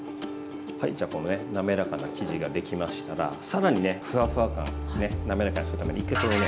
じゃあこのね滑らかな生地ができましたらさらにねふわふわ感ね滑らかにするために１回これをね